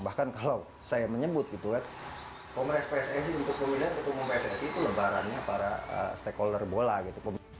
bahkan kalau saya menyebut gitu kan kongres pssi untuk pemilihan ketua umum pssi itu lebarannya para stakeholder bola gitu